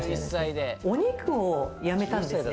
お肉をやめたんですね。